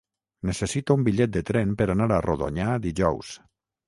Necessito un bitllet de tren per anar a Rodonyà dijous.